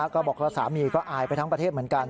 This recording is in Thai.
ก็บอกว่าสามีก็อายไปทั้งประเทศเหมือนกัน